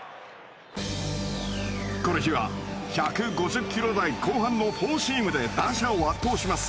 この日は１５０キロ台後半のフォーシームで打者を圧倒します。